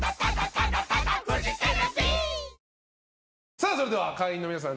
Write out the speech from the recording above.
さあそれでは会員の皆さん